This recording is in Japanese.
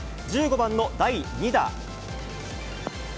１５番の第２打。